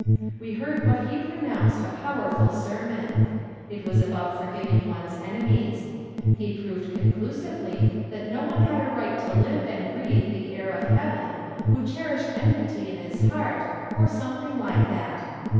We heard what he pronounced a powerful ser mon. It was about forgiving one's enemies. He proved conclusively that no one had a right to live and breathe the air of heaven who cherished enmity in his heart, or something like that.